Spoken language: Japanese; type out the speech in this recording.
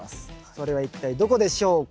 それは一体どこでしょうか？